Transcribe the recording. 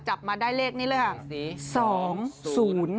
จับมาได้เลขนี้เลยค่ะ